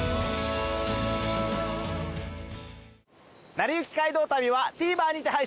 『なりゆき街道旅』はＴＶｅｒにて配信中です。